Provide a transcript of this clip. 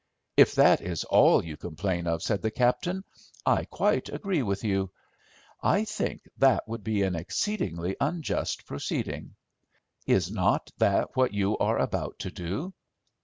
"If that is all you complain of," said the captain, "I quite agree with you. I think that would be an exceedingly unjust proceeding." "Is not that what you are about to do?"